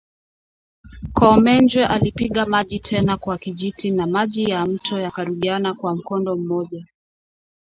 Koomenjwe alipiga maji tena kwa kijiti na maji ya mto yakarudiana kwa mkondo mmoja